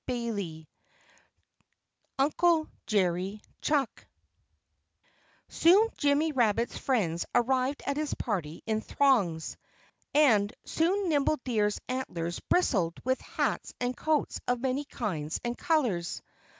XXIV UNCLE JERRY CHUCK Soon Jimmy Rabbit's friends arrived at his party in throngs. And soon Nimble Deer's antlers bristled with hats and coats of many kinds and colors.